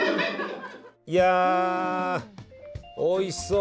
いやおいしそう。